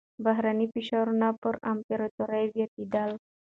بهرني فشارونه پر امپراتورۍ زياتېدل.